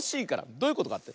どういうことかって？